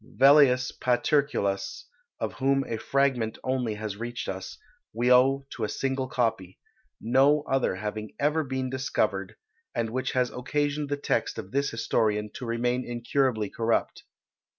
Velleius Paterculas, of whom a fragment only has reached us, we owe to a single copy: no other having ever been discovered, and which has occasioned the text of this historian to remain incurably corrupt.